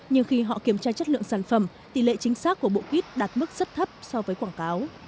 nhưng khi họ kiểm tra chất lượng sản phẩm tỷ lệ chính xác của bộ kit đạt mức rất thấp so với quảng cáo